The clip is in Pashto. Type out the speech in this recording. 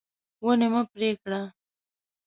ونې مه پرې کړه.